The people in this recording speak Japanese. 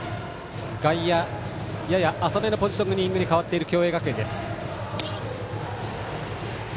外野、やや浅めのポジショニングに変わっている共栄学園です。